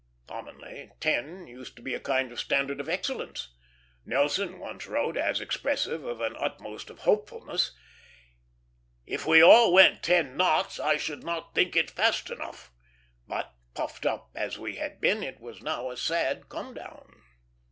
Commonly, ten used to be a kind of standard of excellence; Nelson once wrote, as expressive of an utmost of hopefulness, "If we all went ten knots, I should not think it fast enough;" but, puffed up as we had been, it was now a sad come down.